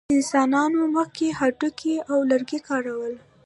انسانانو مخکې هډوکي او لرګي کارول.